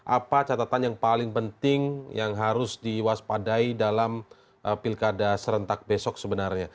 apa catatan yang paling penting yang harus diwaspadai dalam pilkada serentak besok sebenarnya